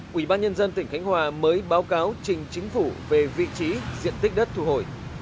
quỹ ban nhân dân tỉnh khánh hòa mới báo cáo trình chính phủ về vị trí diện tích đất thu hồi